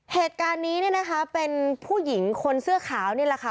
เหตุการณ์นี้เนี่ยนะคะเป็นผู้หญิงคนเสื้อขาวนี่แหละค่ะ